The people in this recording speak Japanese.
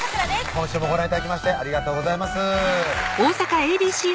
今週もご覧頂きましてありがとうございます